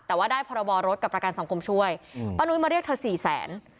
แต่ว่าได้พรบรถกับประกันสังคมช่วยป้านุ้ยมาเรียกเธอสี่แสน